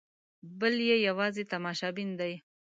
بل یې یوازې تماشبین دی.